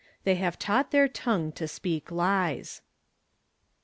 "THEY HAVE TAUGHT THEIR TONGUE TO SPEAK LIES."